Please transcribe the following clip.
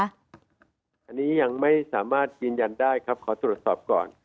อันนี้ยังไม่สามารถยืนยันได้ครับขอตรวจสอบก่อน